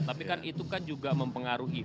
tapi kan itu kan juga mempengaruhi